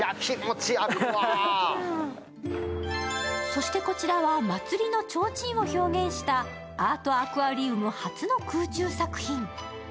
そしてこちらは、祭りの提灯を表現したアートアクアリウム初の空中作品。